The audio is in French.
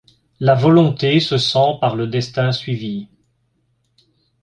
La volonté se sent par le destin suivie.